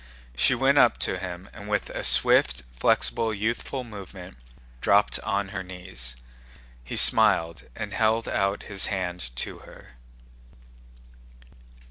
She went up to him and with a swift, flexible, youthful movement dropped on her knees. He smiled and held out his hand to her.